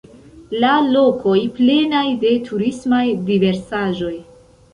La lokoj plenaj de turismaj diversaĵoj.